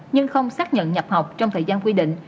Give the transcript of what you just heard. nhưng không xác nhận nhập học trong thời gian quy định